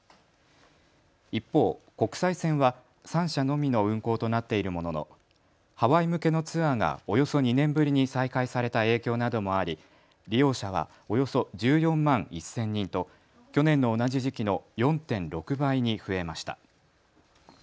一方、国際線は３社のみの運航となっているもののハワイ向けのツアーがおよそ２年ぶりに再開された影響などもあり利用者はおよそ１４万１０００人と去年の同じ時期の４．６倍に増えました。